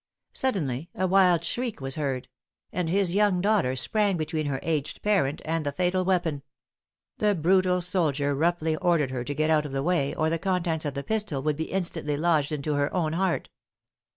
Suddenly a wild shriek was heard; and his young daughter sprang between her aged parent and the fatal weapon. The brutal soldier roughly ordered her to get out of the way, or the contents of the pistol would be instantly lodged in her own heart.